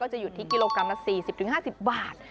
จะอยู่ที่กิโลกรัมละ๔๐๕๐บาท